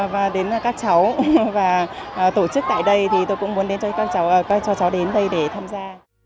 và đến các cháu tổ chức tại đây thì tôi cũng muốn cho cháu đến đây để tham gia